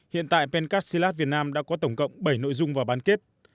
hiện tại pen kaxilat việt nam đã có tổng cộng bảy nội dung vào bán kết